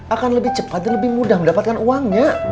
akan lebih cepat dan lebih mudah mendapatkan uangnya